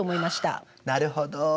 なるほど。